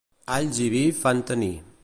Alls i vi fan tenir.